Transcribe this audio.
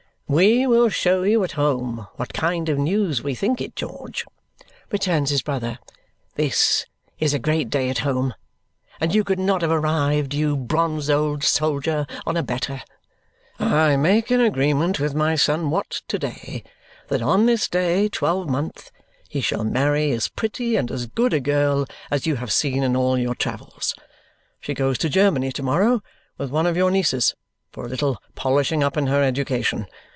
"We will show you at home what kind of news we think it, George," returns his brother. "This is a great day at home, and you could not have arrived, you bronzed old soldier, on a better. I make an agreement with my son Watt to day that on this day twelvemonth he shall marry as pretty and as good a girl as you have seen in all your travels. She goes to Germany to morrow with one of your nieces for a little polishing up in her education.